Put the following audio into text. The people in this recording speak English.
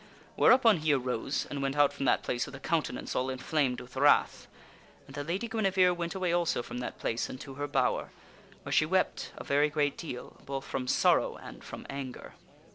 Where upon he arose and went out from that place with a countenance all inflamed with wrath. And the Lady Guinevere went away also from that place and to her bower, where she wept a very great deal, both from sorrow and from anger.